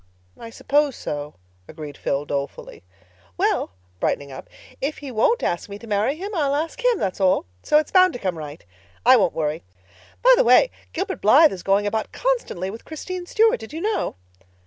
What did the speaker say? "I suppose so," agreed Phil dolefully. "Well"—brightening up—"if he won't ask me to marry him I'll ask him, that's all. So it's bound to come right. I won't worry. By the way, Gilbert Blythe is going about constantly with Christine Stuart. Did you know?"